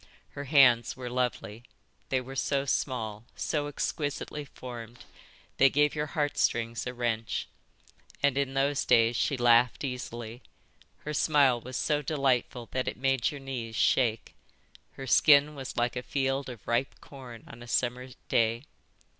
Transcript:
Her hands were lovely. They were so small, so exquisitely formed, they gave your heart strings a wrench. And in those days she laughed easily. Her smile was so delightful that it made your knees shake. Her skin was like a field of ripe corn on a summer day.